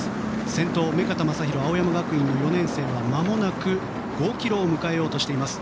先頭、目片将大青山学院の４年生はまもなく５ｋｍを迎えようとしています。